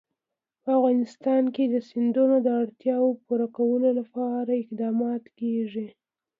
په افغانستان کې د سیندونه د اړتیاوو پوره کولو لپاره اقدامات کېږي.